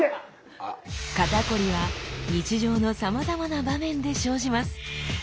肩こりは日常のさまざまな場面で生じます。